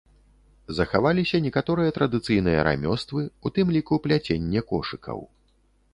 Захаваліся некаторыя традыцыйныя рамёствы, у тым ліку пляценне кошыкаў.